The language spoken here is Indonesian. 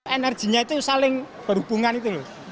energinya itu saling berhubungan itu loh